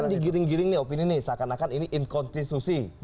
ini digiring giring nih opini nih seakan akan ini inkonstitusi